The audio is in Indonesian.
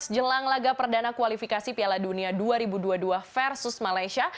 jelang laga perdana kualifikasi piala dunia dua ribu dua puluh dua versus malaysia